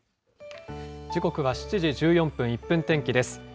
時刻は７時１４分、１分天気です。